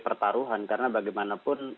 pertaruhan karena bagaimanapun